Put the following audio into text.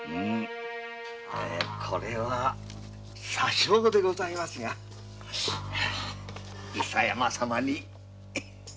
これは些少ではございますが伊佐山様に。